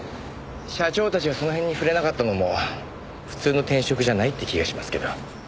社長たちがその辺に触れなかったのも普通の転職じゃないって気がしますけど。